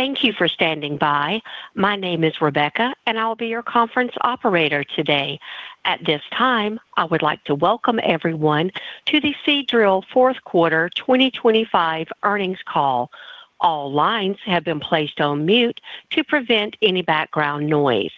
Thank you for standing by. My name is Rebecca, and I'll be your conference operator today. At this time, I would like to welcome everyone to the Seadrill Fourth Quarter 2025 Earnings Call. All lines have been placed on mute to prevent any background noise.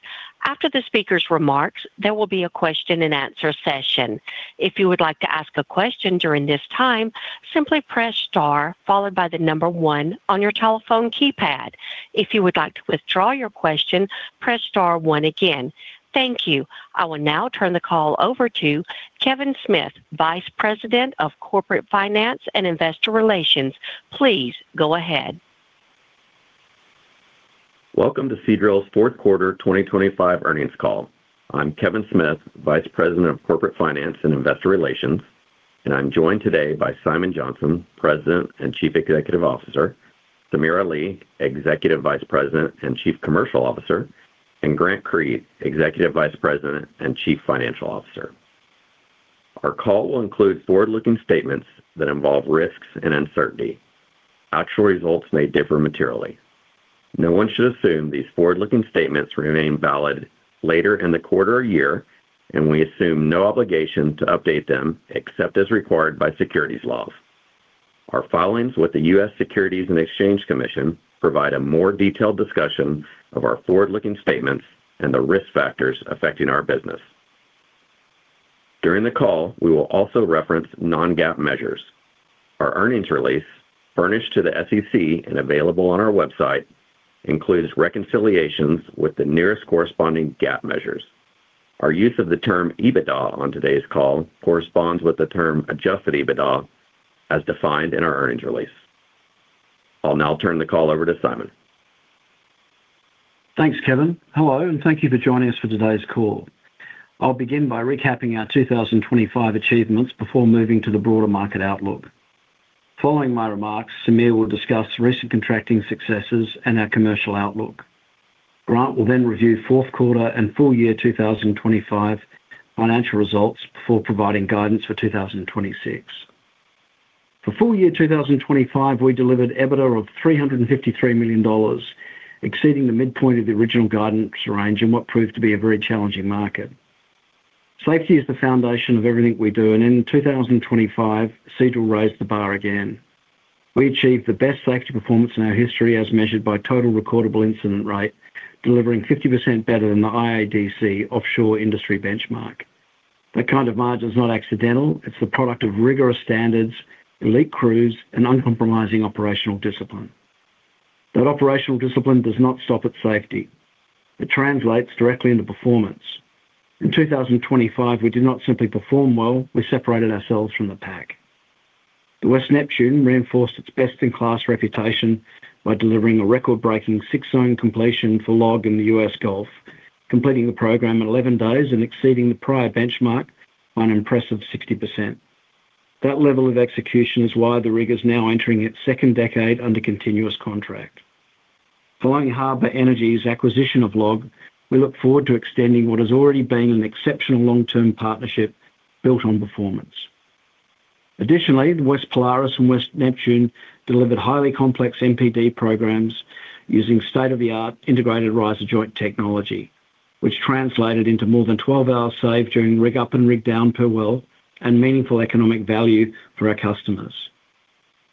After the speaker's remarks, there will be a question and answer session. If you would like to ask a question during this time, simply press star followed by the number one on your telephone keypad. If you would like to withdraw your question, press star one again. Thank you. I will now turn the call over to Kevin Smith, Vice President of Corporate Finance and Investor Relations. Please go ahead. Welcome to Seadrill's Fourth Quarter 2025 Earnings Call. I'm Kevin Smith, Vice President of Corporate Finance and Investor Relations, and I'm joined today by Simon Johnson, President and Chief Executive Officer, Samir Ali, Executive Vice President and Chief Commercial Officer, and Grant Creed, Executive Vice President and Chief Financial Officer. Our call will include forward-looking statements that involve risks and uncertainty. Actual results may differ materially. No one should assume these forward-looking statements remain valid later in the quarter or year, and we assume no obligation to update them except as required by securities laws. Our filings with the US Securities and Exchange Commission provide a more detailed discussion of our forward-looking statements and the risk factors affecting our business. During the call, we will also reference non-GAAP measures. Our earnings release, furnished to the SEC and available on our website, includes reconciliations with the nearest corresponding GAAP measures. Our use of the term EBITDA on today's call corresponds with the term adjusted EBITDA as defined in our earnings release. I'll now turn the call over to Simon. Thanks, Kevin. Hello, thank you for joining us for today's call. I'll begin by recapping our 2025 achievements before moving to the broader market outlook. Following my remarks, Samir will discuss recent contracting successes and our commercial outlook. Grant will review fourth quarter and full year 2025 financial results before providing guidance for 2026. For full year 2025, we delivered EBITDA of $353 million, exceeding the midpoint of the original guidance range in what proved to be a very challenging market. Safety is the foundation of everything we do, and in 2025, Seadrill raised the bar again. We achieved the best safety performance in our history as measured by total recordable incident rate, delivering 50% better than the IADC offshore industry benchmark. That kind of margin is not accidental. It's the product of rigorous standards, elite crews, and uncompromising operational discipline. That operational discipline does not stop at safety. It translates directly into performance. In 2025, we did not simply perform well, we separated ourselves from the pack. The West Neptune reinforced its best-in-class reputation by delivering a record-breaking six-zone completion for LLOG in the U.S. Gulf, completing the program in 11 days and exceeding the prior benchmark by an impressive 60%. That level of execution is why the rig is now entering its second decade under continuous contract. Following Harbour Energy's acquisition of LLOG, we look forward to extending what has already been an exceptional long-term partnership built on performance. The West Polaris and West Neptune delivered highly complex MPD programs using state-of-the-art integrated riser joint technology, which translated into more than 12 hours saved during rig up and rig down per well and meaningful economic value for our customers.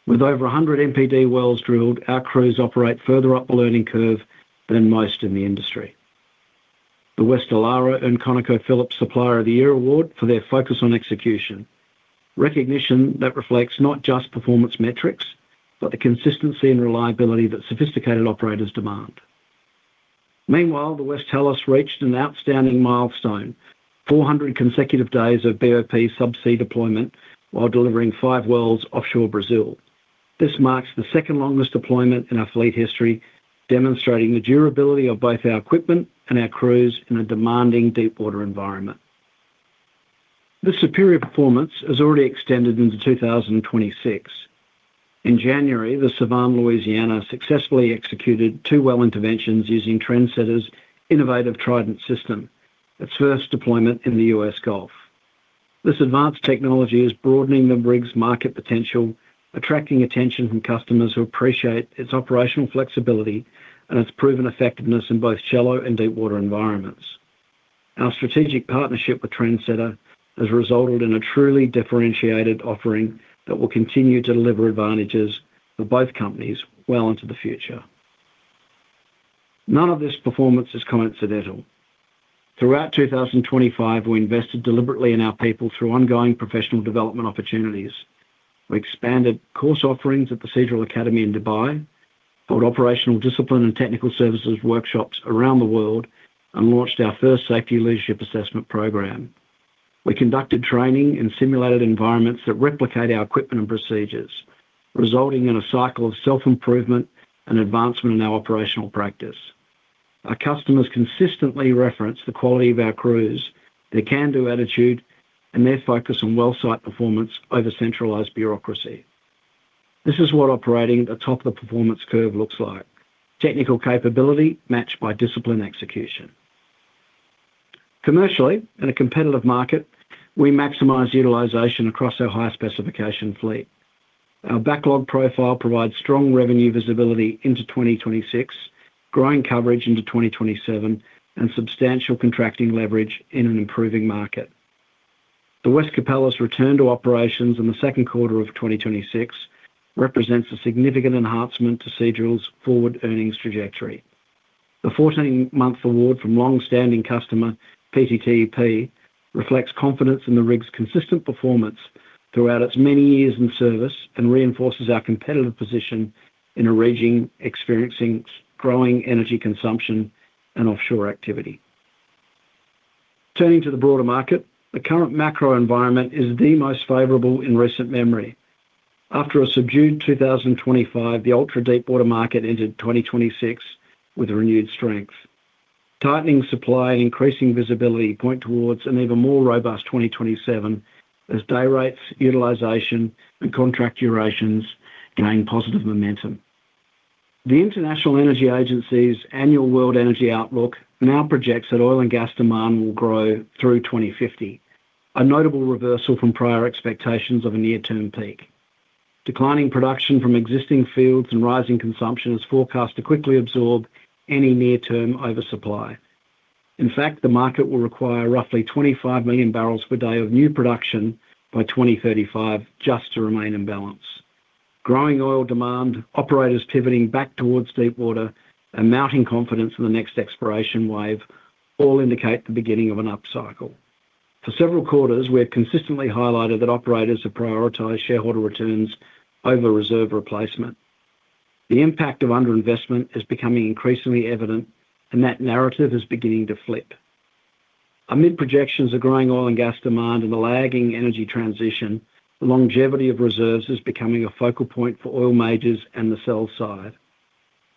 With over 100 MPD wells drilled, our crews operate further up the learning curve than most in the industry. The West Elara earned ConocoPhillips Supplier of the Year Award for their focus on execution, recognition that reflects not just performance metrics, but the consistency and reliability that sophisticated operators demand. The West Tellus reached an outstanding milestone, 400 consecutive days of BOP subsea deployment while delivering five wells offshore Brazil. This marks the second longest deployment in our fleet history, demonstrating the durability of both our equipment and our crews in a demanding deepwater environment. This superior performance has already extended into 2026. In January, the Sevan Louisiana successfully executed two well interventions using Trendsetter's innovative Trident system, its first deployment in the U.S. Gulf. This advanced technology is broadening the rig's market potential, attracting attention from customers who appreciate its operational flexibility and its proven effectiveness in both shallow and deepwater environments. Our strategic partnership with Trendsetter has resulted in a truly differentiated offering that will continue to deliver advantages for both companies well into the future. None of this performance is coincidental. Throughout 2025, we invested deliberately in our people through ongoing professional development opportunities. We expanded course offerings at the Seadrill Academy in Dubai, held operational discipline and technical services workshops around the world, and launched our first safety leadership assessment program. We conducted training in simulated environments that replicate our equipment and procedures, resulting in a cycle of self-improvement and advancement in our operational practice. Our customers consistently reference the quality of our crews, their can-do attitude, and their focus on well site performance over centralized bureaucracy. This is what operating at the top of the performance curve looks like: technical capability matched by disciplined execution. Commercially, in a competitive market, we maximize utilization across our high-specification fleet. Our backlog profile provides strong revenue visibility into 2026, growing coverage into 2027, and substantial contracting leverage in an improving market. The West Capella's return to operations in the second quarter of 2026 represents a significant enhancement to Seadrill's forward earnings trajectory. The 14-month award from long-standing customer PTTEP reflects confidence in the rig's consistent performance throughout its many years in service and reinforces our competitive position in a region experiencing growing energy consumption and offshore activity. Turning to the broader market, the current macro environment is the most favorable in recent memory. After a subdued 2025, the ultra deepwater market entered 2026 with a renewed strength. Tightening supply and increasing visibility point towards an even more robust 2027 as day rates, utilization, and contract durations gain positive momentum. The International Energy Agency's annual World Energy Outlook now projects that oil and gas demand will grow through 2050, a notable reversal from prior expectations of a near-term peak. Declining production from existing fields and rising consumption is forecast to quickly absorb any near-term oversupply. In fact, the market will require roughly 25 million barrels per day of new production by 2035 just to remain in balance. Growing oil demand, operators pivoting back towards deepwater, and mounting confidence in the next exploration wave all indicate the beginning of an upcycle. For several quarters, we have consistently highlighted that operators have prioritized shareholder returns over reserve replacement. The impact of underinvestment is becoming increasingly evident, and that narrative is beginning to flip. Amid projections of growing oil and gas demand and the lagging energy transition, the longevity of reserves is becoming a focal point for oil majors and the sell side.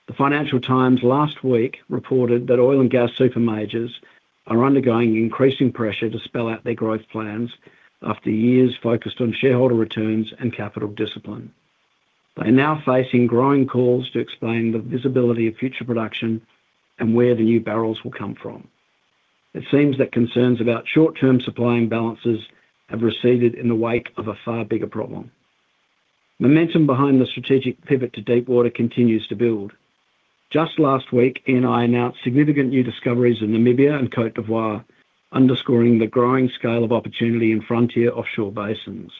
The Financial Times last week reported that oil and gas super majors are undergoing increasing pressure to spell out their growth plans after years focused on shareholder returns and capital discipline. They are now facing growing calls to explain the visibility of future production and where the new barrels will come from. It seems that concerns about short-term supply imbalances have receded in the wake of a far bigger problem. Momentum behind the strategic pivot to deepwater continues to build. Just last week, Eni announced significant new discoveries in Namibia and Côte d'Ivoire, underscoring the growing scale of opportunity in frontier offshore basins.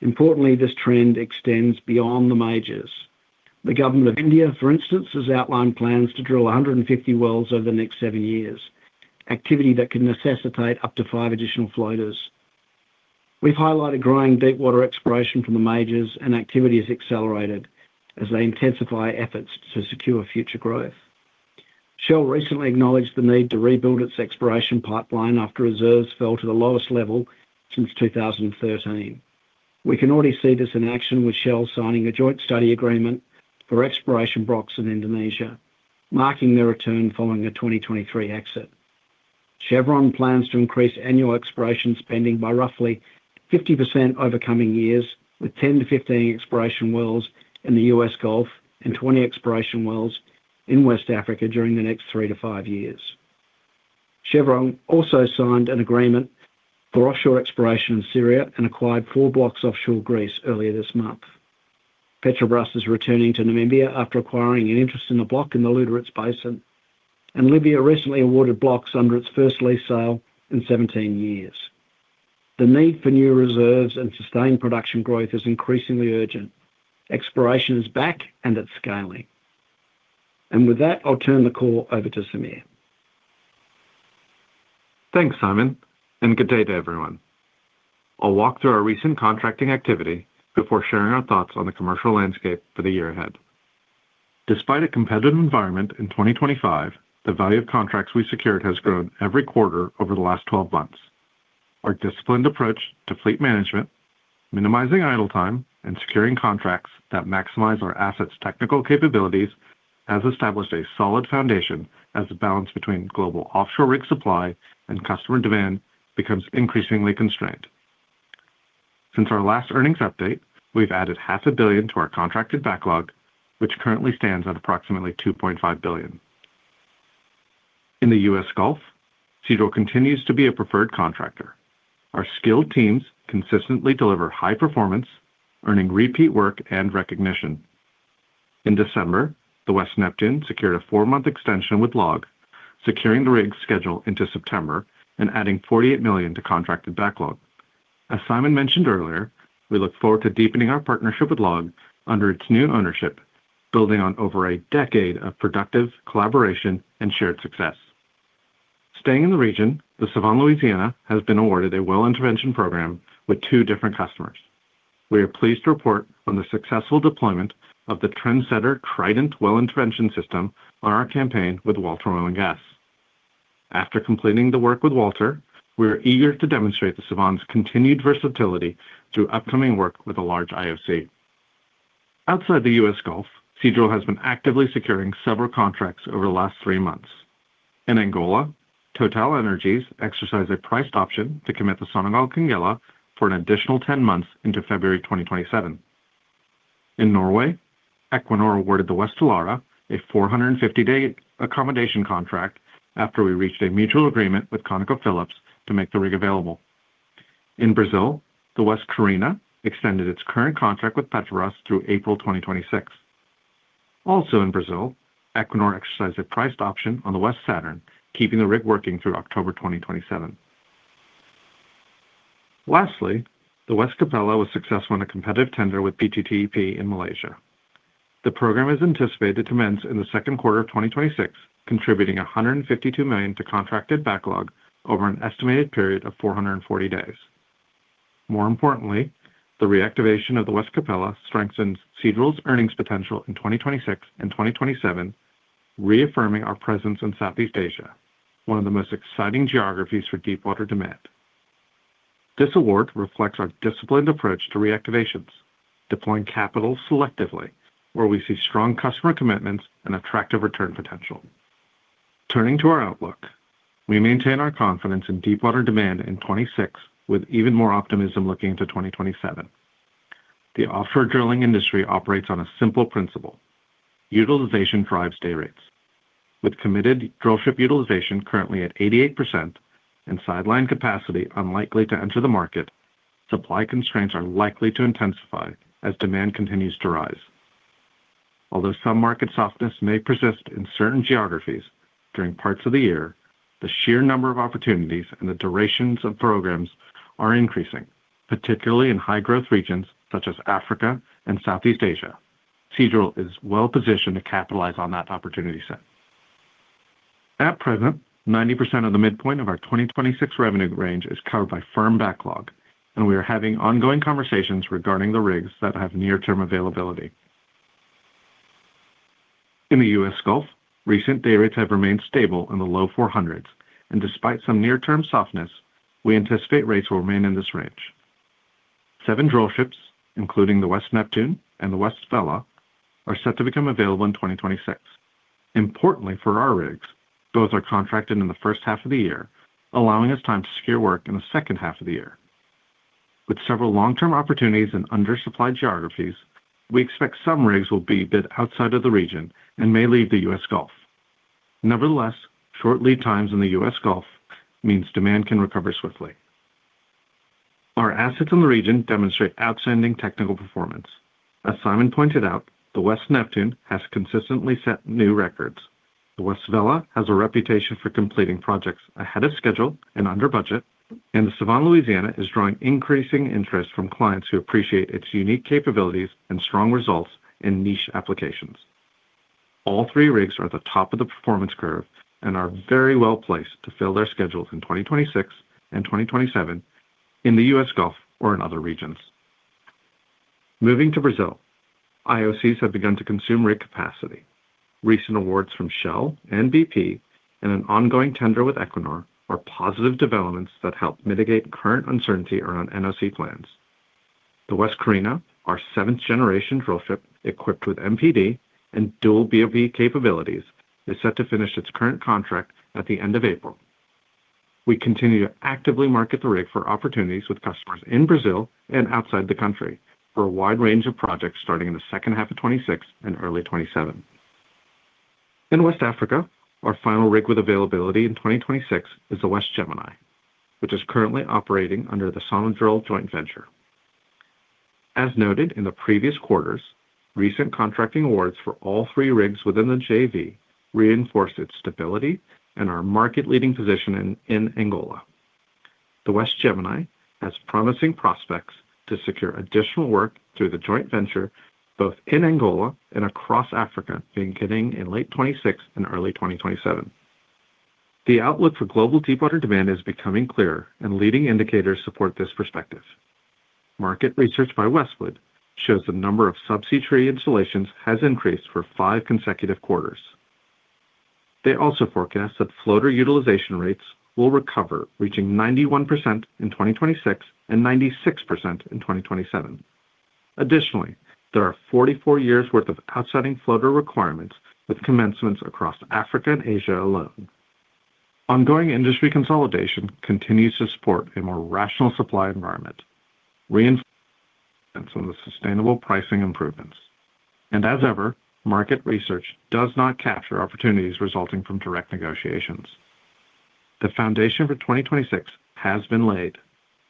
Importantly, this trend extends beyond the majors. The government of India, for instance, has outlined plans to drill 150 wells over the next seven years, activity that can necessitate up to five additional floaters. We've highlighted growing deepwater exploration from the majors. Activity has accelerated as they intensify efforts to secure future growth. Shell recently acknowledged the need to rebuild its exploration pipeline after reserves fell to the lowest level since 2013. We can already see this in action, with Shell signing a joint study agreement for exploration blocks in Indonesia, marking their return following a 2023 exit. Chevron plans to increase annual exploration spending by roughly 50% over coming years, with 10-15 exploration wells in the U.S. Gulf and 20 exploration wells in West Africa during the next 3-5 years. Chevron also signed an agreement for offshore exploration in Syria and acquired four blocks offshore Greece earlier this month. Petrobras is returning to Namibia after acquiring an interest in a block in the Lüderitz Basin. Libya recently awarded blocks under its first lease sale in 17 years. The need for new reserves and sustained production growth is increasingly urgent. Exploration is back, and it's scaling. With that, I'll turn the call over to Samir. Thanks, Simon. Good day to everyone. I'll walk through our recent contracting activity before sharing our thoughts on the commercial landscape for the year ahead. Despite a competitive environment in 2025, the value of contracts we secured has grown every quarter over the last 12 months. Our disciplined approach to fleet management, minimizing idle time, and securing contracts that maximize our assets' technical capabilities has established a solid foundation as the balance between global offshore rig supply and customer demand becomes increasingly constrained. Since our last earnings update, we've added $500 million to our contracted backlog, which currently stands at approximately $2.5 billion. In the U.S. Gulf, Seadrill continues to be a preferred contractor. Our skilled teams consistently deliver high performance, earning repeat work and recognition. In December, the West Neptune secured a four-month extension with LLOG, securing the rig's schedule into September and adding $48 million to contracted backlog. As Simon mentioned earlier, we look forward to deepening our partnership with LLOG under its new ownership, building on over a decade of productive collaboration and shared success. Staying in the region, the Sevan Louisiana has been awarded a well intervention program with two different customers. We are pleased to report on the successful deployment of the Trendsetter Trident well intervention system on our campaign with Walter Oil & Gas. After completing the work with Walter, we are eager to demonstrate the Sevan's continued versatility through upcoming work with a large IOC. Outside the U.S. Gulf, Seadrill has been actively securing several contracts over the last 3 months. In Angola, TotalEnergies exercised a priced option to commit the Sonangol Quenguela for an additional 10 months into February 2027. In Norway, Equinor awarded the West Elara a 450-day accommodation contract after we reached a mutual agreement with ConocoPhillips to make the rig available. In Brazil, the West Carina extended its current contract with Petrobras through April 2026. In Brazil, Equinor exercised a priced option on the West Saturn, keeping the rig working through October 2027. The West Capella was successful in a competitive tender with PTTEP in Malaysia. The program is anticipated to commence in the second quarter of 2026, contributing $152 million to contracted backlog over an estimated period of 440 days. More importantly, the reactivation of the West Capella strengthens Seadrill's earnings potential in 2026 and 2027, reaffirming our presence in Southeast Asia, one of the most exciting geographies for deepwater demand. This award reflects our disciplined approach to reactivations, deploying capital selectively where we see strong customer commitments and attractive return potential. Turning to our outlook, we maintain our confidence in deepwater demand in 2026, with even more optimism looking into 2027. The offshore drilling industry operates on a simple principle: utilization drives day rates. With committed drillship utilization currently at 88% and sideline capacity unlikely to enter the market, supply constraints are likely to intensify as demand continues to rise. Although some market softness may persist in certain geographies during parts of the year, the sheer number of opportunities and the durations of programs are increasing, particularly in high-growth regions such as Africa and Southeast Asia. Seadrill is well-positioned to capitalize on that opportunity set. At present, 90% of the midpoint of our 2026 revenue range is covered by firm backlog, and we are having ongoing conversations regarding the rigs that have near-term availability. In the U.S. Gulf, recent day rates have remained stable in the low $400s, and despite some near-term softness, we anticipate rates will remain in this range. Seven drillships, including the West Neptune and the West Vela, are set to become available in 2026. Importantly, for our rigs, both are contracted in the first half of the year, allowing us time to secure work in the second half of the year. With several long-term opportunities in undersupplied geographies, we expect some rigs will be bid outside of the region and may leave the U.S. Gulf. Nevertheless, short lead times in the U.S. Gulf means demand can recover swiftly. Our assets in the region demonstrate outstanding technical performance. As Simon pointed out, the West Neptune has consistently set new records. The West Vela has a reputation for completing projects ahead of schedule and under budget, and the Sevan Louisiana is drawing increasing interest from clients who appreciate its unique capabilities and strong results in niche applications. All three rigs are at the top of the performance curve and are very well-placed to fill their schedules in 2026 and 2027 in the U.S. Gulf or in other regions. Moving to Brazil, IOCs have begun to consume rig capacity. Recent awards from Shell and BP, and an ongoing tender with Equinor, are positive developments that help mitigate current uncertainty around NOC plans. The West Carina, our seventh-generation drillship, equipped with MPD and dual BOP capabilities, is set to finish its current contract at the end of April. We continue to actively market the rig for opportunities with customers in Brazil and outside the country for a wide range of projects starting in the second half of 2026 and early 2027. In West Africa, our final rig with availability in 2026 is the West Gemini, which is currently operating under the Sonadrill joint venture. As noted in the previous quarters, recent contracting awards for all three rigs within the JV reinforce its stability and our market-leading position in Angola. The West Gemini has promising prospects to secure additional work through the joint venture, both in Angola and across Africa, beginning in late 2026 and early 2027. The outlook for global deepwater demand is becoming clearer. Leading indicators support this perspective. Market research by Westwood shows the number of subsea tree installations has increased for five consecutive quarters. They also forecast that floater utilization rates will recover, reaching 91% in 2026 and 96% in 2027. Additionally, there are 44 years worth of outstanding floater requirements, with commencements across Africa and Asia alone. Ongoing industry consolidation continues to support a more rational supply environment, reinforcing the sustainable pricing improvements. As ever, market research does not capture opportunities resulting from direct negotiations. The foundation for 2026 has been laid.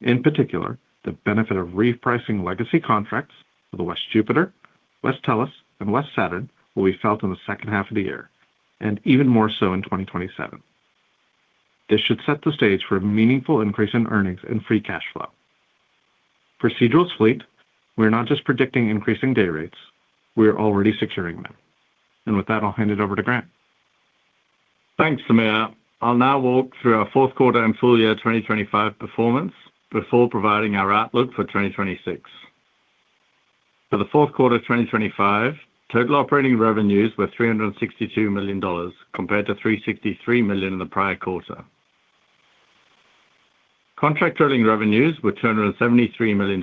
In particular, the benefit of repricing legacy contracts for the West Jupiter, West Tellus, and West Saturn will be felt in the second half of the year, and even more so in 2027. This should set the stage for a meaningful increase in earnings and free cash flow. For Seadrill's fleet, we are not just predicting increasing day rates, we are already securing them. With that, I'll hand it over to Grant. Thanks, Samir. I'll now walk through our fourth quarter and full year 2025 performance before providing our outlook for 2026. For the fourth quarter of 2025, total operating revenues were $362 million, compared to $363 million in the prior quarter. Contract drilling revenues were $373 million,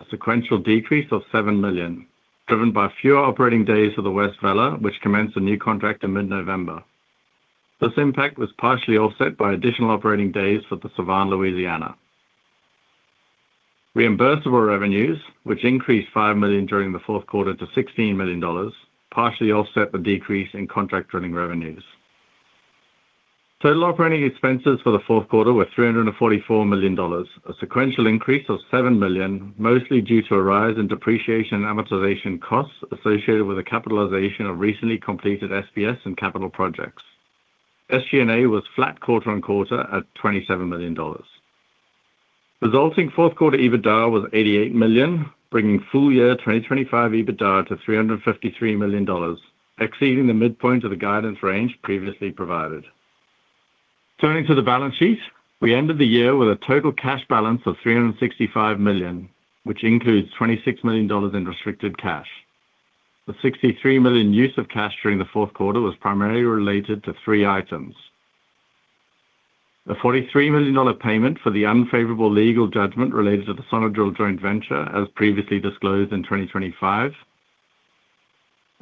a sequential decrease of $7 million, driven by fewer operating days for the West Vela, which commenced a new contract in mid-November. This impact was partially offset by additional operating days for the Sevan Louisiana. Reimbursable revenues, which increased $5 million during the fourth quarter to $16 million, partially offset the decrease in contract drilling revenues. Total operating expenses for the fourth quarter were $344 million, a sequential increase of $7 million, mostly due to a rise in depreciation and amortization costs associated with the capitalization of recently completed SPS and capital projects. SG&A was flat quarter-on-quarter at $27 million. Resulting fourth quarter EBITDA was $88 million, bringing full year 2025 EBITDA to $353 million, exceeding the midpoint of the guidance range previously provided. Turning to the balance sheet, we ended the year with a total cash balance of $365 million, which includes $26 million in restricted cash. The $63 million use of cash during the fourth quarter was primarily related to three items: the $43 million payment for the unfavorable legal judgment related to the Sonadrill joint venture, as previously disclosed in 2025.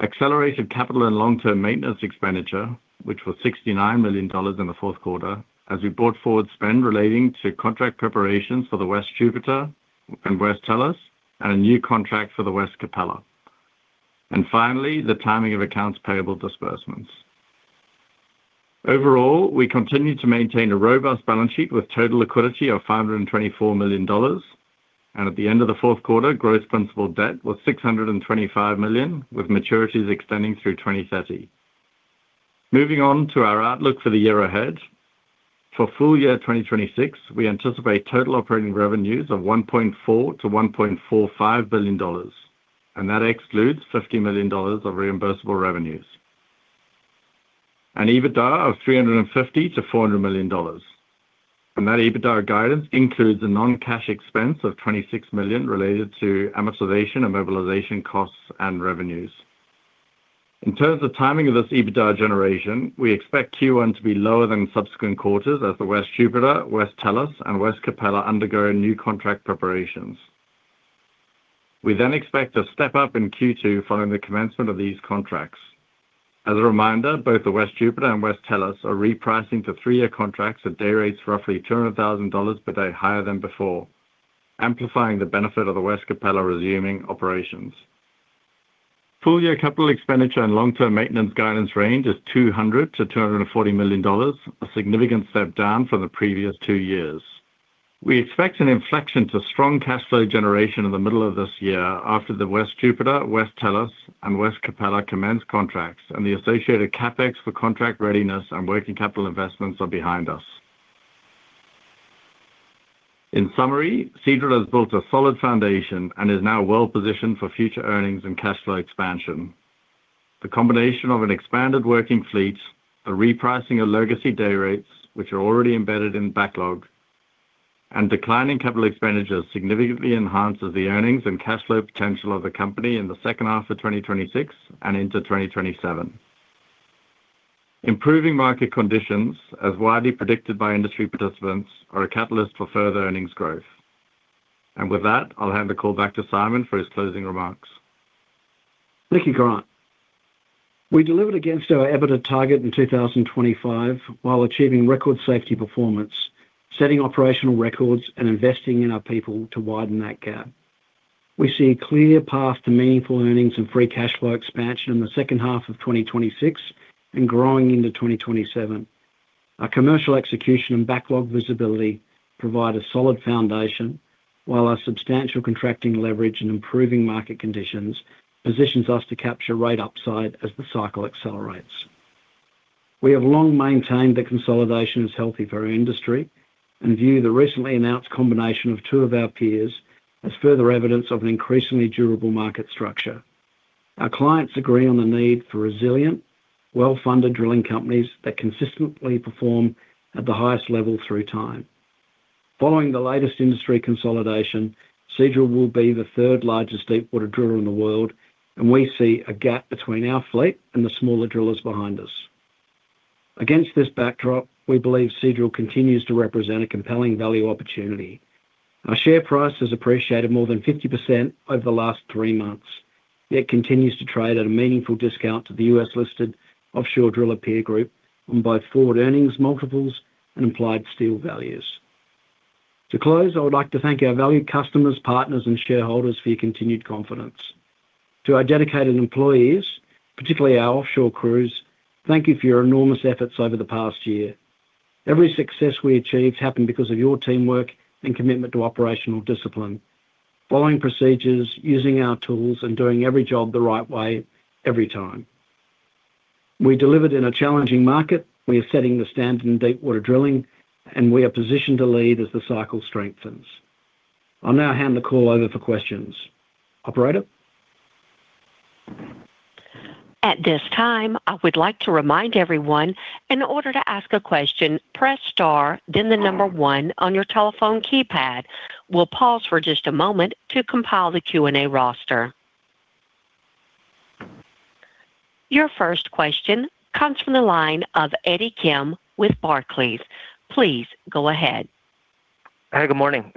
Accelerated capital and long-term maintenance expenditure, which was $69 million in the fourth quarter, as we brought forward spend relating to contract preparations for the West Jupiter and West Tellus, and a new contract for the West Capella. Finally, the timing of accounts payable disbursements. Overall, we continue to maintain a robust balance sheet with total liquidity of $524 million. At the end of the fourth quarter, gross principal debt was $625 million, with maturities extending through 2030. Moving on to our outlook for the year ahead. For full year 2026, we anticipate total operating revenues of $1.4 billion-$1.45 billion. That excludes $50 million of reimbursable revenues. EBITDA of $350 million-$400 million. That EBITDA guidance includes a non-cash expense of $26 million related to amortization and mobilization costs and revenues. In terms of timing of this EBITDA generation, we expect Q1 to be lower than subsequent quarters as the West Jupiter, West Tellus, and West Capella undergo new contract preparations. We expect a step up in Q2 following the commencement of these contracts. As a reminder, both the West Jupiter and West Tellus are repricing to three-year contracts at day rates roughly $200,000 per day higher than before, amplifying the benefit of the West Capella resuming operations. Full year capital expenditure and long-term maintenance guidance range is $200 million-$240 million, a significant step down from the previous two years. We expect an inflection to strong cash flow generation in the middle of this year after the West Jupiter, West Tellus, and West Capella commence contracts and the associated CapEx for contract readiness and working capital investments are behind us. In summary, Seadrill has built a solid foundation and is now well positioned for future earnings and cash flow expansion. The combination of an expanded working fleet, the repricing of legacy day rates, which are already embedded in backlog, and declining capital expenditures significantly enhances the earnings and cash flow potential of the company in the second half of 2026 and into 2027. Improving market conditions, as widely predicted by industry participants, are a catalyst for further earnings growth. With that, I'll hand the call back to Simon for his closing remarks. Thank you, Grant. We delivered against our EBITDA target in 2025 while achieving record safety performance, setting operational records, and investing in our people to widen that gap. We see a clear path to meaningful earnings and free cash flow expansion in the second half of 2026 and growing into 2027. Our commercial execution and backlog visibility provide a solid foundation, while our substantial contracting leverage and improving market conditions positions us to capture rate upside as the cycle accelerates. We have long maintained that consolidation is healthy for our industry and view the recently announced combination of two of our peers as further evidence of an increasingly durable market structure. Our clients agree on the need for resilient, well-funded drilling companies that consistently perform at the highest level through time. Following the latest industry consolidation, Seadrill will be the third largest deepwater driller in the world, and we see a gap between our fleet and the smaller drillers behind us. Against this backdrop, we believe Seadrill continues to represent a compelling value opportunity. Our share price has appreciated more than 50% over the last 3 months, yet continues to trade at a meaningful discount to the US-listed offshore driller peer group on both forward earnings multiples and implied steel values. To close, I would like to thank our valued customers, partners, and shareholders for your continued confidence. To our dedicated employees, particularly our offshore crews, thank you for your enormous efforts over the past year. Every success we achieved happened because of your teamwork and commitment to operational discipline, following procedures, using our tools, and doing every job the right way every time. We delivered in a challenging market. We are setting the standard in deepwater drilling, and we are positioned to lead as the cycle strengthens. I'll now hand the call over for questions. Operator? At this time, I would like to remind everyone, in order to ask a question, press star, then the number 1 on your telephone keypad. We'll pause for just a moment to compile the Q&A roster. Your first question comes from the line of Eddie Kim with Barclays. Please go ahead. Hey, good morning.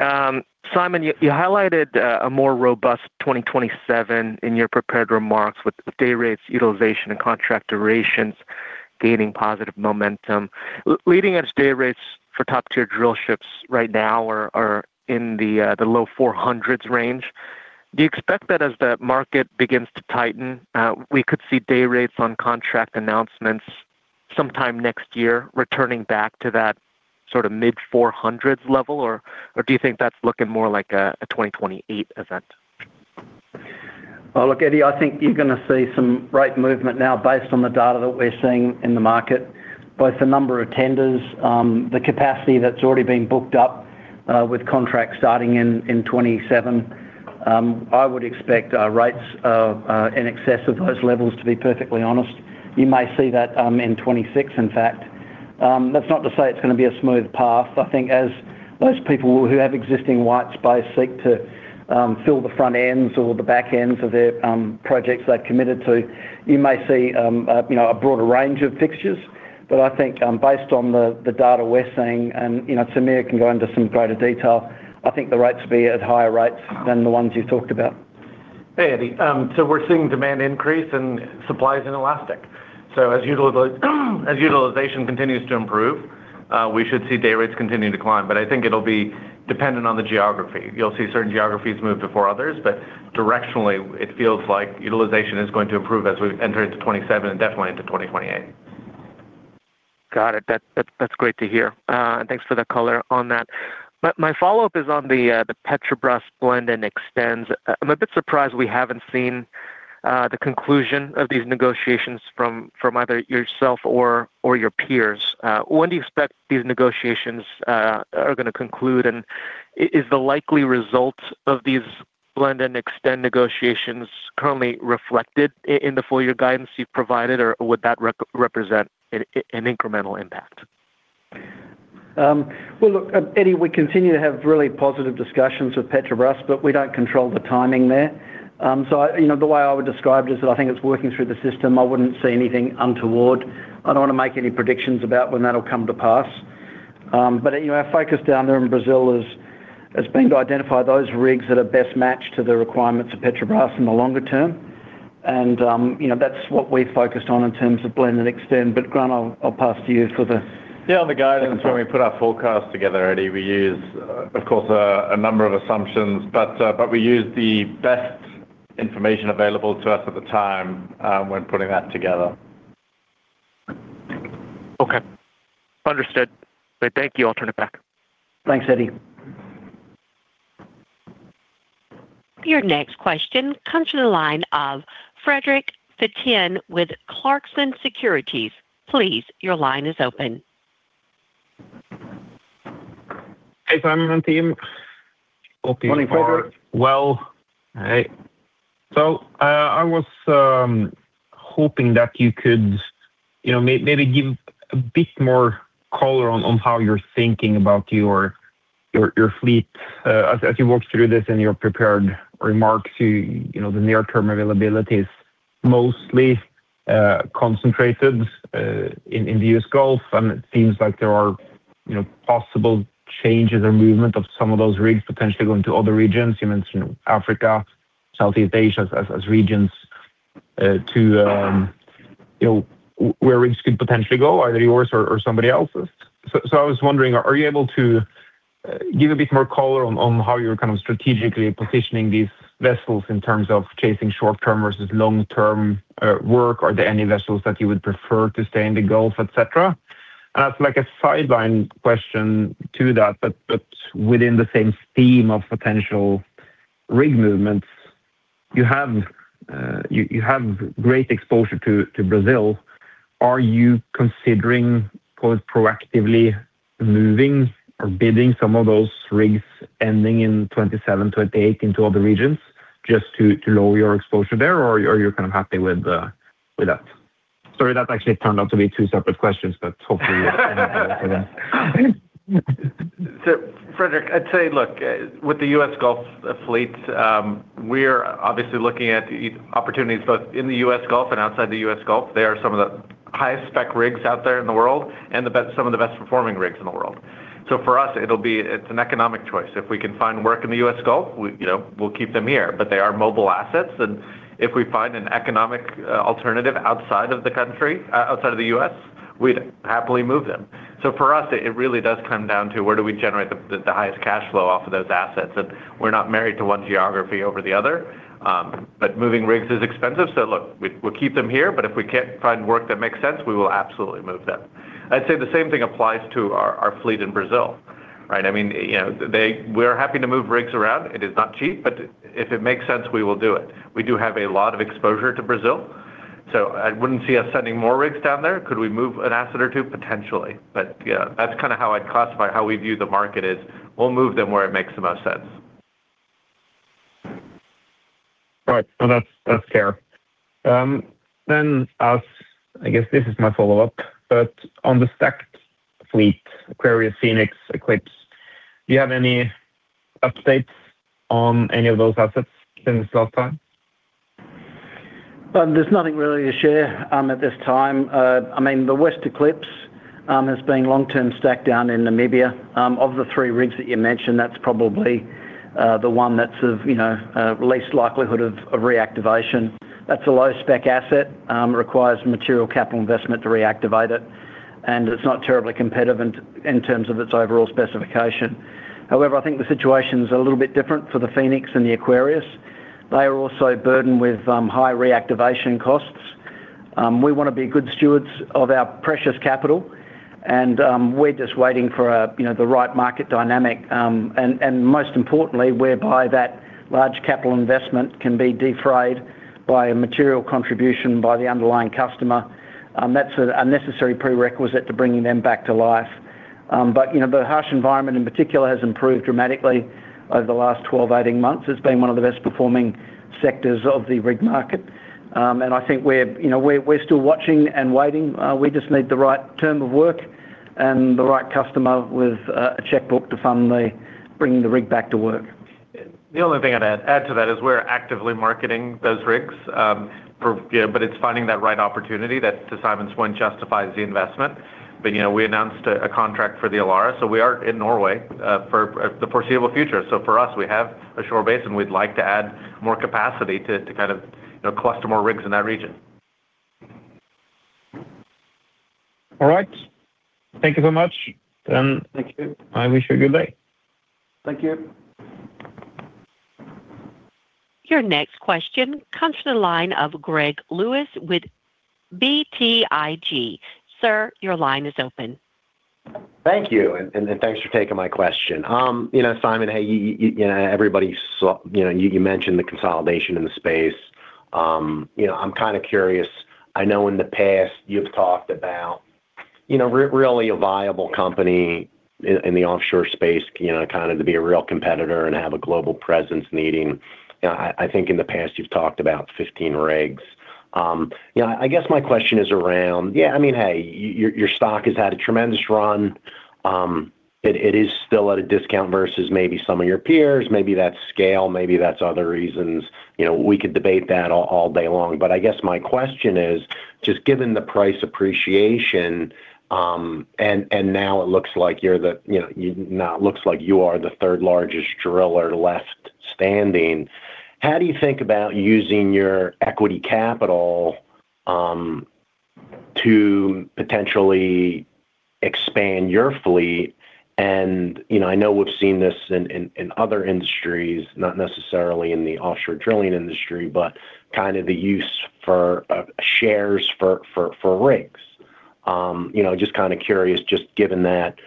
Simon, you highlighted a more robust 2027 in your prepared remarks with day rates, utilization, and contract durations gaining positive momentum. Leading edge day rates for top-tier drill ships right now are in the low 400s range. Do you expect that as the market begins to tighten, we could see day rates on contract announcements sometime next year, returning back to that sort of mid-400s level? Or do you think that's looking more like a 2028 event? Well, look, Eddie, I think you're gonna see some rate movement now based on the data that we're seeing in the market, both the number of tenders, the capacity that's already been booked up, with contracts starting in 2027. I would expect our rates in excess of those levels, to be perfectly honest. You may see that in 2026, in fact. That's not to say it's gonna be a smooth path. I think as those people who have existing white space seek to fill the front ends or the back ends of their projects they've committed to, you may see, you know, a broader range of fixtures. I think, based on the data we're seeing and, you know, Samir can go into some greater detail, I think the rates will be at higher rates than the ones you talked about. Hey, Eddie. We're seeing demand increase and supplies inelastic. As utilization continues to improve, we should see day rates continuing to climb. I think it'll be dependent on the geography. You'll see certain geographies move before others, directionally, it feels like utilization is going to improve as we enter into 2027 and definitely into 2028. Got it. That, that's great to hear. Thanks for the color on that. My follow-up is on the Petrobras blend and extends. I'm a bit surprised we haven't seen the conclusion of these negotiations from either yourself or your peers. When do you expect these negotiations are gonna conclude? Is the likely result of these blend and extend negotiations currently reflected in the full year guidance you've provided, or would that represent an incremental impact? Well, look, Eddie, we continue to have really positive discussions with Petrobras, but we don't control the timing there. You know, the way I would describe it is that I think it's working through the system. I wouldn't say anything untoward. I don't want to make any predictions about when that'll come to pass. You know, our focus down there in Brazil is, has been to identify those rigs that are best matched to the requirements of Petrobras in the longer term. You know, that's what we've focused on in terms of blend and extend. Grant, I'll pass to you for the Yeah, on the guidance, when we put our forecast together, Eddie, we use, of course, a number of assumptions, but we use the best information available to us at the time, when putting that together. Okay. Understood. Thank you. I'll turn it back. Thanks, Eddie. Your next question comes from the line of Fredrik Stene with Clarksons Securities. Please, your line is open. Hey, Simon and team. Hope you Morning, Fredrik. Well, hey. I was hoping that you could, you know, maybe give a bit more color on how you're thinking about your fleet. As you walked through this in your prepared remarks, you know, the near term availability is mostly concentrated in the U.S. Gulf, and it seems like there are, you know, possible changes or movement of some of those rigs potentially going to other regions. You mentioned Africa, Southeast Asia, as regions to, you know, where rigs could potentially go, either yours or somebody else's. I was wondering, are you able to give a bit more color on how you're kind of strategically positioning these vessels in terms of chasing short term versus long-term work? Are there any vessels that you would prefer to stay in the Gulf, et cetera? As like a sideline question to that, but within the same theme of potential rig movements, you have great exposure to Brazil. Are you considering quite proactively moving or bidding some of those rigs ending in 2027, 2028 into other regions just to lower your exposure there, or are you kind of happy with that? Sorry, that actually turned out to be two separate questions, hopefully. Fredrik, I'd say, look, with the U.S. Gulf fleet, we're obviously looking at opportunities both in the U.S. Gulf and outside the U.S. Gulf. They are some of the highest spec rigs out there in the world and some of the best performing rigs in the world. For us, it's an economic choice. If we can find work in the U.S. Gulf, we, you know, we'll keep them here. They are mobile assets, and if we find an economic alternative outside of the country, outside of the US, we'd happily move them. For us, it really does come down to where do we generate the highest cash flow off of those assets? We're not married to one geography over the other, but moving rigs is expensive. Look, we'll keep them here, but if we can't find work that makes sense, we will absolutely move them. I'd say the same thing applies to our fleet in Brazil, right? I mean, you know, we're happy to move rigs around. It is not cheap, but if it makes sense, we will do it. We do have a lot of exposure to Brazil, so I wouldn't see us sending more rigs down there. Could we move an asset or two? Potentially. Yeah, that's kinda how I'd classify how we view the market is, we'll move them where it makes the most sense. Right. No, that's fair. I guess this is my follow-up, on the stacked fleet, West Aquarius, West Phoenix, West Eclipse, do you have any updates on any of those assets since last time? ... there's nothing really to share at this time. I mean, the West Eclipse has been long-term stacked down in Namibia. Of the three rigs that you mentioned, that's probably the one that's of, you know, least likelihood of reactivation. That's a low-spec asset. It requires material capital investment to reactivate it, and it's not terribly competitive in terms of its overall specification. However, I think the situation's a little bit different for the Phoenix and the Aquarius. They are also burdened with high reactivation costs. We wanna be good stewards of our precious capital, and we're just waiting for, you know, the right market dynamic, and most importantly, whereby that large capital investment can be defrayed by a material contribution by the underlying customer, that's a necessary prerequisite to bringing them back to life. You know, the harsh environment in particular has improved dramatically over the last 12, 18 months. It's been one of the best performing sectors of the rig market. I think we're, you know, we're still watching and waiting. We just need the right term of work and the right customer with a checkbook to fund the bringing the rig back to work. The only thing I'd add to that is we're actively marketing those rigs, for, yeah, but it's finding that right opportunity that, to Simon's point, justifies the investment. You know, we announced a contract for the Elara, so we are in Norway, for the foreseeable future. For us, we have a shore base, and we'd like to add more capacity to kind of, you know, cluster more rigs in that region. All right. Thank you so much. Thank you. I wish you a good day. Thank you. Your next question comes from the line of Greg Lewis with BTIG. Sir, your line is open. Thank you, and thanks for taking my question. You know, Simon, hey, you know, you mentioned the consolidation in the space. You know, I'm kind of curious. I know in the past you've talked about, you know, really a viable company in the offshore space, you know, kind of to be a real competitor and have a global presence, needing. I think in the past, you've talked about 15 rigs. Yeah, I guess my question is around. Yeah, I mean, hey, your stock has had a tremendous run. It is still at a discount versus maybe some of your peers. Maybe that's scale, maybe that's other reasons. You know, we could debate that all day long. I guess my question is, just given the price appreciation, and now it looks like you're the, you know, you now it looks like you are the third largest driller left standing, how do you think about using your equity capital to potentially expand your fleet? You know, I know we've seen this in other industries, not necessarily in the offshore drilling industry, but kind of the use for shares for rigs. You know, just kind of curious, just given that,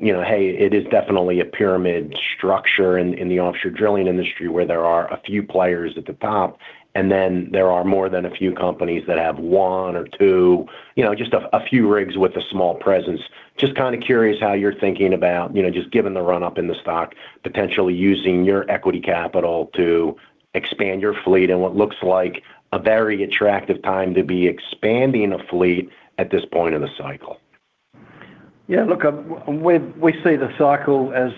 you know, hey, it is definitely a pyramid structure in the offshore drilling industry, where there are a few players at the top, and then there are more than a few companies that have one or two, you know, just a few rigs with a small presence. Just kind of curious how you're thinking about, you know, just given the run-up in the stock, potentially using your equity capital to expand your fleet in what looks like a very attractive time to be expanding a fleet at this point in the cycle? Yeah, look, we see the cycle as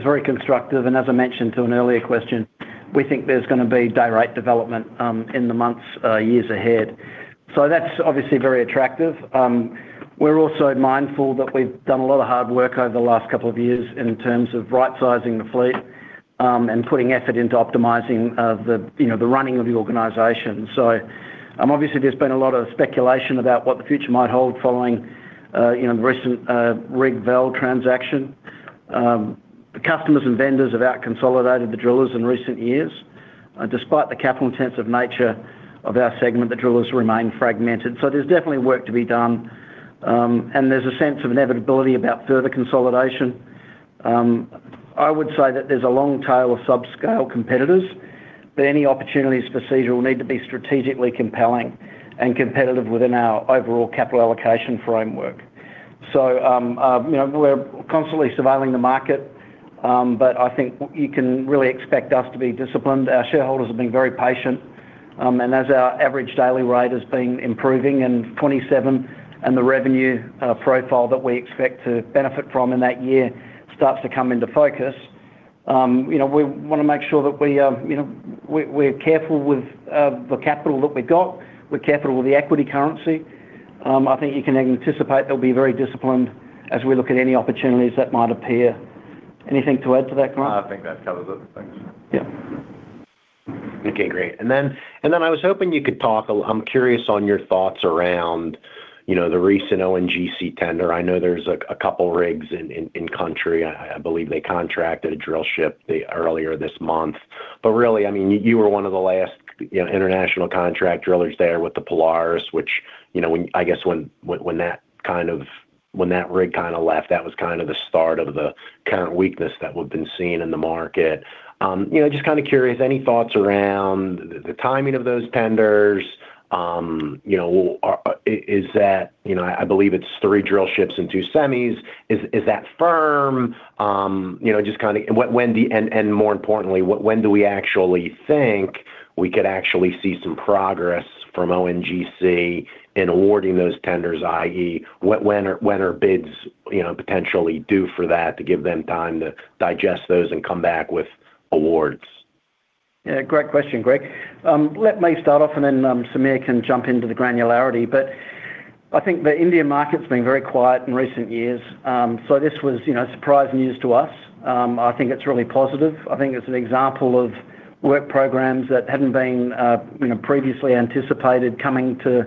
very constructive. As I mentioned to an earlier question, we think there's gonna be dayrate development in the months, years ahead. That's obviously very attractive. We're also mindful that we've done a lot of hard work over the last couple of years in terms of rightsizing the fleet and putting effort into optimizing the, you know, the running of the organization. Obviously there's been a lot of speculation about what the future might hold following, you know, the recent transaction. The customers and vendors have out consolidated the drillers in recent years. Despite the capital-intensive nature of our segment, the drillers remain fragmented. There's definitely work to be done. There's a sense of inevitability about further consolidation. I would say that there's a long tail of subscale competitors, but any opportunities for seizure will need to be strategically compelling and competitive within our overall capital allocation framework. you know, we're constantly surveilling the market, but I think you can really expect us to be disciplined. Our shareholders have been very patient, and as our average daily rate has been improving in 2027, and the revenue profile that we expect to benefit from in that year starts to come into focus, you know, we wanna make sure that we, you know, we're careful with the capital that we've got. We're careful with the equity currency. I think you can anticipate that we'll be very disciplined as we look at any opportunities that might appear. Anything to add to that, Connor? I think that covers it. Thanks. Yeah. Okay, great. I was hoping you could talk. I'm curious on your thoughts around, you know, the recent ONGC tender. I know there's a couple rigs in country. I believe they contracted a drillship earlier this month. Really, I mean, you were one of the last, you know, international contract drillers there with the Polaris, which, you know, I guess when that rig kind of left, that was kind of the start of the current weakness that we've been seeing in the market. You know, just kind of curious, any thoughts around the timing of those tenders? You know, is that, you know, I believe it's three drillships and two semis. Is that firm? You know, just kind of when, and more importantly, when do we actually think we could actually see some progress from ONGC in awarding those tenders, i.e., what, when are bids, you know, potentially due for that to give them time to digest those and come back with awards?... Yeah, great question, Greg. Let me start off and then Samir can jump into the granularity. I think the Indian market has been very quiet in recent years, so this was, you know, surprising news to us. I think it's really positive. I think it's an example of work programs that hadn't been, you know, previously anticipated coming to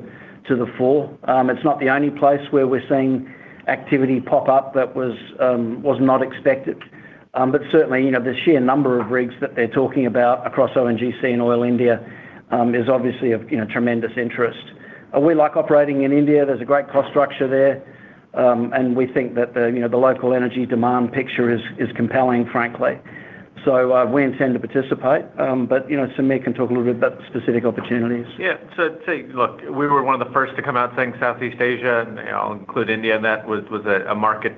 the fore. It's not the only place where we're seeing activity pop up that was not expected. Certainly, you know, the sheer number of rigs that they're talking about across ONGC and Oil India is obviously of, you know, tremendous interest. We like operating in India. There's a great cost structure there, and we think that the, you know, the local energy demand picture is compelling, frankly. We intend to participate. You know, Samir can talk a little bit about specific opportunities. Yeah. Look, we were one of the first to come out saying Southeast Asia, and I'll include India, and that was a market,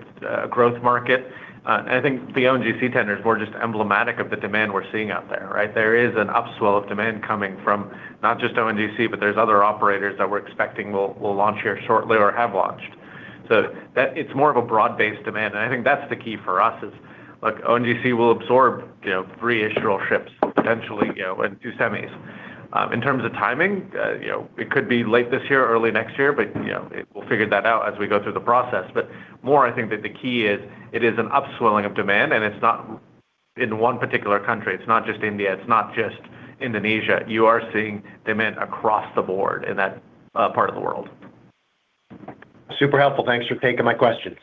growth market. And I think the ONGC tenders were just emblematic of the demand we're seeing out there, right? There is an upswell of demand coming from not just ONGC, but there's other operators that we're expecting will launch here shortly or have launched. It's more of a broad-based demand, and I think that's the key for us, is look, ONGC will absorb, you know, three drillships, potentially, you know, and two semis. In terms of timing, you know, it could be late this year or early next year, but, you know, we'll figure that out as we go through the process. More, I think that the key is it is an upswelling of demand, and it's not in one particular country. It's not just India, it's not just Indonesia. You are seeing demand across the board in that part of the world. Super helpful. Thanks for taking my questions.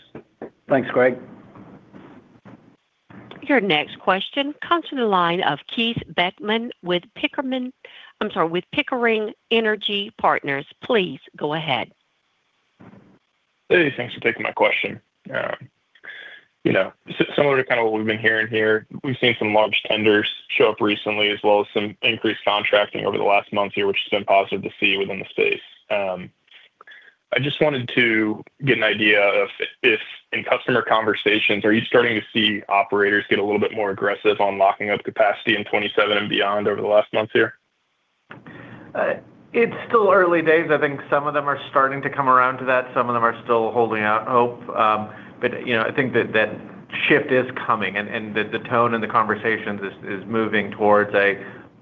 Thanks, Greg. Your next question comes to the line of Keith Beckmann with Pickering Energy Partners. Please go ahead. Hey, thanks for taking my question. you know, similar to kind of what we've been hearing here, we've seen some large tenders show up recently, as well as some increased contracting over the last month here, which has been positive to see within the space. I just wanted to get an idea of if in customer conversations, are you starting to see operators get a little bit more aggressive on locking up capacity in 27 and beyond over the last months here? It's still early days. I think some of them are starting to come around to that. Some of them are still holding out hope. But, you know, I think that that shift is coming and the tone and the conversations is moving towards a,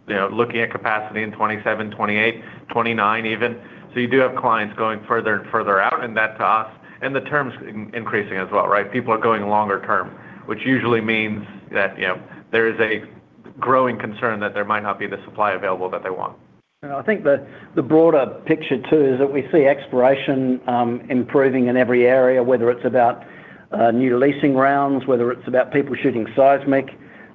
you know, looking at capacity in 27, 28, 29, even. You do have clients going further and further out, and that to us, and the terms in-increasing as well, right? People are going longer term, which usually means that, you know, there is a growing concern that there might not be the supply available that they want. I think the broader picture, too, is that we see exploration improving in every area, whether it's about new leasing rounds, whether it's about people shooting seismic.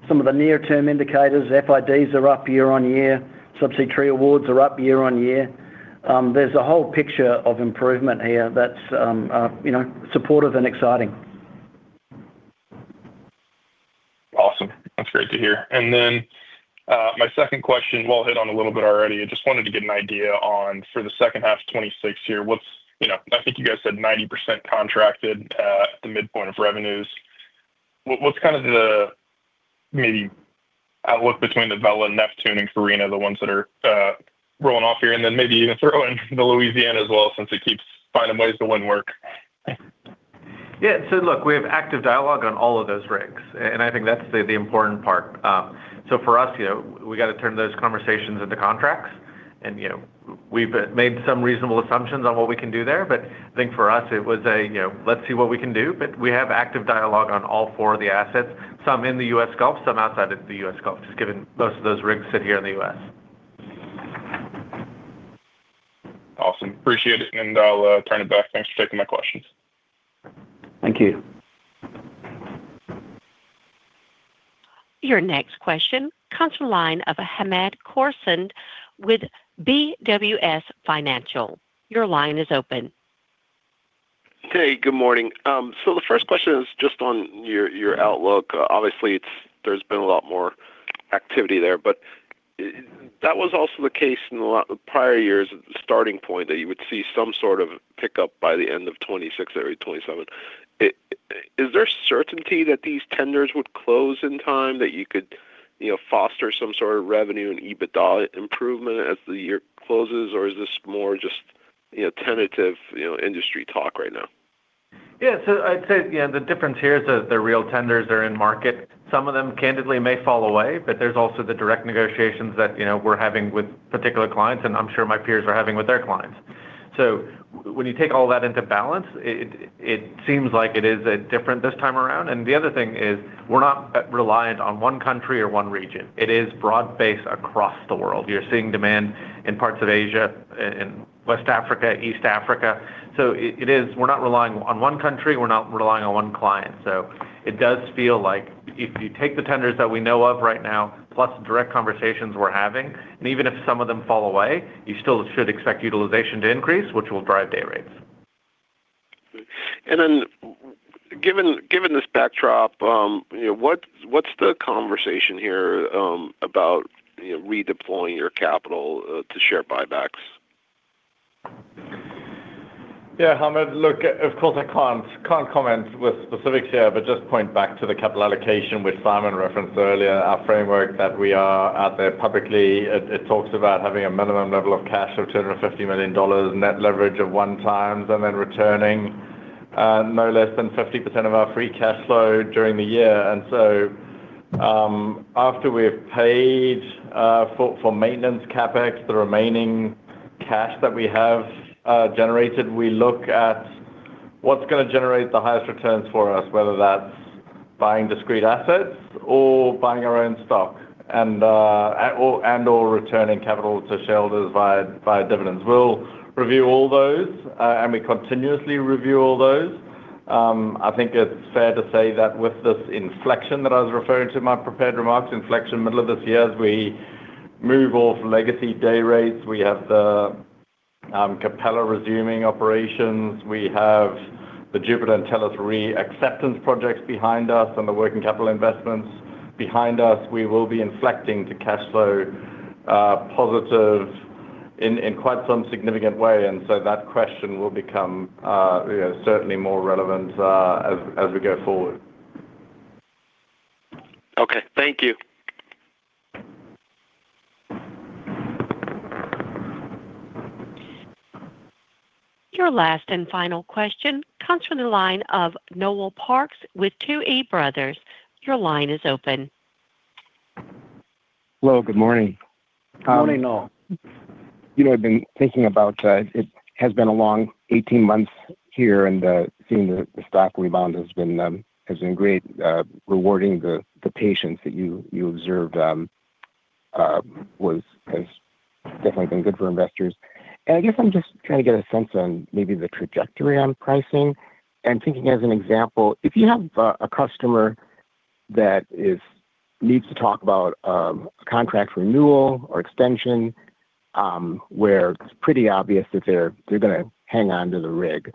Some of the near-term indicators, FIDs are up year-over-year, subsea tree awards are up year-over-year. There's a whole picture of improvement here that's, you know, supportive and exciting. Awesome. That's great to hear. My second question, well, hit on a little bit already. I just wanted to get an idea on for the second half of 2026 here, what's, you know, I think you guys said 90% contracted at the midpoint of revenues. What's kind of the maybe outlook between the Vela and Neptune and Carina, the ones that are rolling off here, and then maybe even throw in the Louisiana as well, since it keeps finding ways to win work? Yeah. Look, we have active dialogue on all of those rigs, and I think that's the important part. For us, you know, we got to turn those conversations into contracts and, you know, we've made some reasonable assumptions on what we can do there. I think for us, it was a, you know, let's see what we can do. We have active dialogue on all four of the assets, some in the U.S. Gulf, some outside of the U.S. Gulf, just given most of those rigs sit here in the U.S. Awesome. Appreciate it, I'll turn it back. Thanks for taking my questions. Thank you. Your next question comes from the line of Hamed Khorsand with BWS Financial. Your line is open. Hey, good morning. The first question is just on your outlook. Obviously, there's been a lot more activity there, but that was also the case in a lot of the prior years, the starting point, that you would see some sort of pickup by the end of 26 or 27. Is there certainty that these tenders would close in time, that you could, you know, foster some sort of revenue and EBITDA improvement as the year closes? Or is this more just, you know, tentative, you know, industry talk right now? Yeah, I'd say, the difference here is that the real tenders are in market. Some of them, candidly, may fall away, but there's also the direct negotiations that, you know, we're having with particular clients, and I'm sure my peers are having with their clients. When you take all that into balance, it seems like it is different this time around. The other thing is we're not reliant on one country or one region. It is broad-based across the world. We are seeing demand in parts of Asia, in West Africa, East Africa. It is, we're not relying on one country, we're not relying on one client. It does feel like if you take the tenders that we know of right now, plus direct conversations we're having, and even if some of them fall away, you still should expect utilization to increase, which will drive day rates. Given this backdrop, you know, what's the conversation here, about, you know, redeploying your capital, to share buybacks? Yeah, Hamed, look, of course, I can't comment with specifics here, but just point back to the capital allocation, which Simon referenced earlier, our framework that we are out there publicly. It talks about having a minimum level of cash of $250 million, net leverage of 1x, and then returning.... no less than 50% of our free cash flow during the year. After we've paid for maintenance CapEx, the remaining cash that we have generated, we look at what's gonna generate the highest returns for us, whether that's buying discrete assets or buying our own stock, and or returning capital to shareholders via dividends. We'll review all those, and we continuously review all those. I think it's fair to say that with this inflection that I was referring to in my prepared remarks, inflection middle of this year, as we move off legacy day rates, we have the Capella resuming operations, we have the Jupiter and Tellus reacceptance projects behind us and the working capital investments behind us. We will be inflecting to cash flow, positive in quite some significant way, and so that question will become, you know, certainly more relevant, as we go forward. Okay, thank you. Your last and final question comes from the line of Noel Parks with Tuohy Brothers. Your line is open. Hello, good morning. Good morning, Noel. You know, I've been thinking about, it has been a long 18 months here, and seeing the stock rebound has been, has been great, rewarding the patience that you observed, was, has definitely been good for investors. I guess I'm just trying to get a sense on maybe the trajectory on pricing. Thinking as an example, if you have a customer that needs to talk about, contract renewal or extension, where it's pretty obvious that they're gonna hang on to the rig.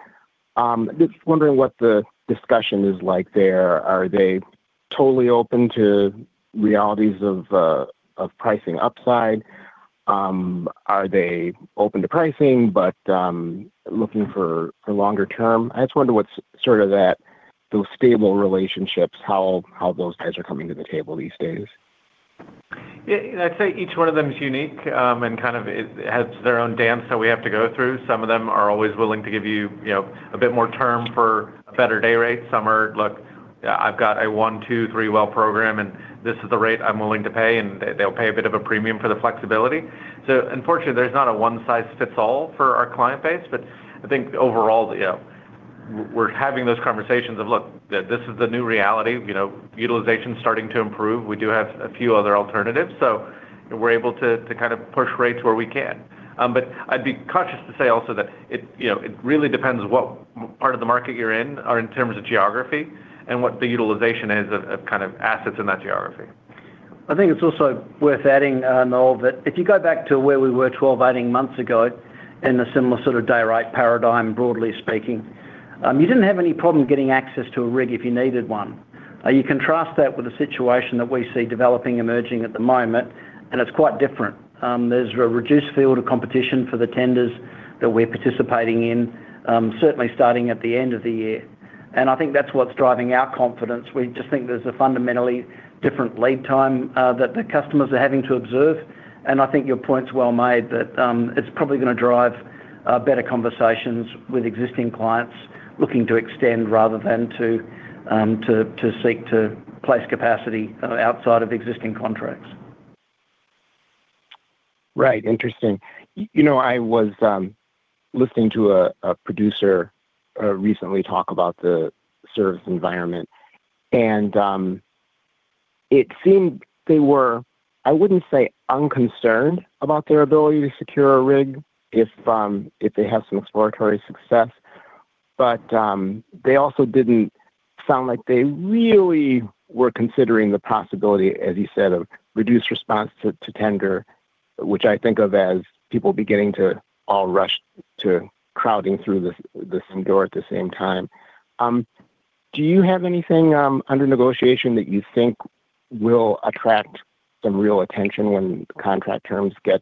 Just wondering what the discussion is like there. Are they totally open to realities of pricing upside? Are they open to pricing, but, looking for longer term? I just wonder what's sort of that, those stable relationships, how those guys are coming to the table these days. Yeah, I'd say each one of them is unique, and kind of it has their own dance that we have to go through. Some of them are always willing to give you know, a bit more term for a better day rate. Some are, "Look, I've got a one, two, three well program, and this is the rate I'm willing to pay," and they'll pay a bit of a premium for the flexibility. Unfortunately, there's not a one-size-fits-all for our client base. I think overall, you know, we're having those conversations of, look, this is the new reality. You know, utilization is starting to improve. We do have a few other alternatives. We're able to kind of push rates where we can. I'd be cautious to say also that it, you know, it really depends what part of the market you're in, or in terms of geography, and what the utilization is of kind of assets in that geography. I think it's also worth adding, Noel, that if you go back to where we were 12, 18 months ago, in a similar sort of dayrate paradigm, broadly speaking, you didn't have any problem getting access to a rig if you needed one. You contrast that with the situation that we see developing, emerging at the moment, it's quite different. There's a reduced field of competition for the tenders that we're participating in, certainly starting at the end of the year. I think that's what's driving our confidence. We just think there's a fundamentally different lead time that the customers are having to observe, and I think your point's well made, that it's probably gonna drive better conversations with existing clients looking to extend rather than to seek to place capacity outside of existing contracts. Right. Interesting. You know, I was listening to a producer recently talk about the service environment, and it seemed they were, I wouldn't say unconcerned about their ability to secure a rig if they have some exploratory success, but they also didn't sound like they really were considering the possibility, as you said, of reduced response to tender, which I think of as people beginning to all rush to crowding through the same door at the same time. Do you have anything under negotiation that you think will attract some real attention when contract terms get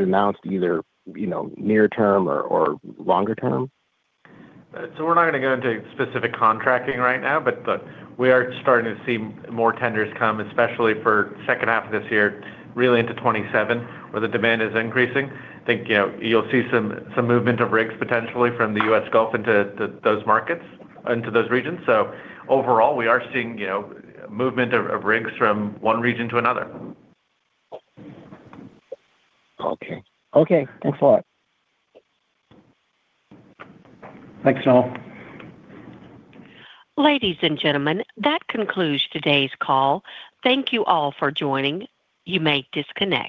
announced, either, you know, near term or longer term? We're not gonna go into specific contracting right now, but we are starting to see more tenders come, especially for second half of this year, really into 27, where the demand is increasing. I think, you know, you'll see some movement of rigs potentially from the U.S. Gulf into those markets, into those regions. Overall, we are seeing, you know, movement of rigs from one region to another. Okay. Okay, thanks a lot. Thanks, Noel. Ladies and gentlemen, that concludes today's call. Thank you all for joining. You may disconnect.